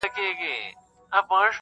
• شپه په خندا ده، سهار حیران دی.